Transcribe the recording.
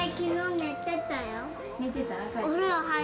寝てた？